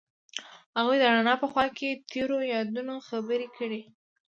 هغوی د رڼا په خوا کې تیرو یادونو خبرې کړې.